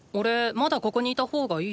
まだここに居た方がいい？